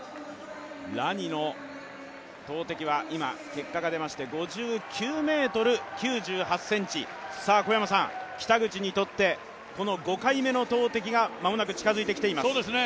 ラニの投てきは今、結果が出まして５９ｍ９８ｃｍ、北口にとってこの５回目の投てきが間もなく近づいてきています。